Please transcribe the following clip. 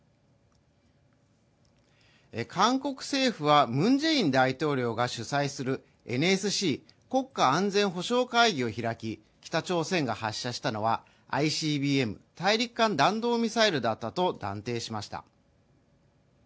韓国政府はムン・ジェイン大統領が主催するＮＳＣ＝国家安全保障会議を開き、北朝鮮が発射したのはＩＣＢＭ＝大陸間弾道ミサイルだったと断定しました。